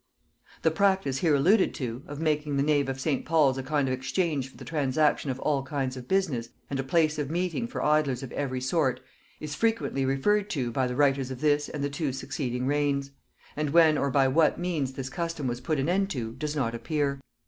The practice here alluded to, of making the nave of St. Paul's a kind of exchange for the transaction of all kinds of business, and a place of meeting for idlers of every sort, is frequently referred to by the writers of this and the two succeeding reigns; and when or by what means the custom was put an end to, does not appear.